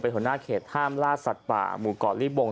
เป็นหัวหน้าเขตท่ามราชสัตว์ป่าหมู่เกาะลี้บง